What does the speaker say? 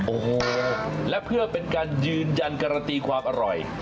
โอ้โหและเพื่อเป็นการยืนยันการันตีความอร่อย